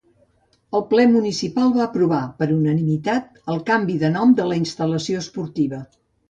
El ple municipal va aprovar, per unanimitat, el canvi de nom de la instal·lació esportiva.